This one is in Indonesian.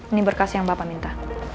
ini berkas yang bapak minta